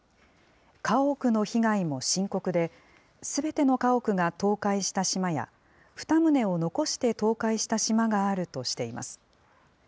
家屋の被害も深刻で、すべての家屋が倒壊した島や、２棟を残して倒壊した島があるとしています。